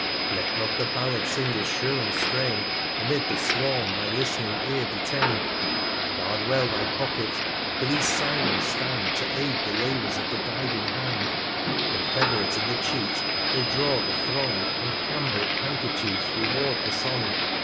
Let not the Ballad Singer's shrilling Strain Amid the Swarm thy list'ning Ear detain: Guard well thy Pocket ; for these Syrens stand, To aid the Labours of the diving Hand ; 80 Confed'rate in the Cheat, they draw the Throng, And Cambrick Handkerchiefs reward the Song.